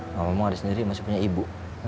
mamamu ada sendiri masih punya ibu